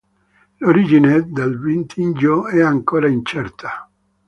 L'origine del vitigno è ancora incerta.